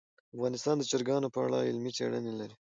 افغانستان د چرګانو په اړه علمي څېړني لري.